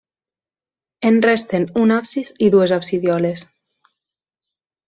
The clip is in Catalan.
En resten un absis i dues absidioles.